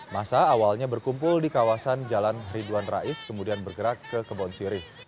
masa awalnya berkumpul di kawasan jalan ridwan rais kemudian bergerak ke kebon sirih